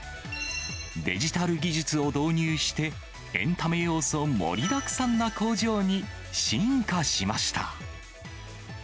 デジタル技術を導入して、エンタメ要素盛りだくさんな工場に進化しました。